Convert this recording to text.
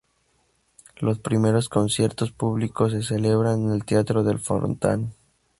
Los primeros conciertos públicos se celebran en el Teatro del Fontán.